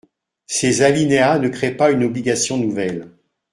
Ces alinéas ne créent pas une obligation nouvelle.